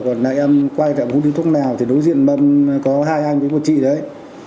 còn em quay về em uống rượu thuốc nào thì đối diện mâm có hai anh với một chị đấy